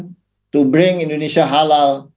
untuk membawa indonesia halal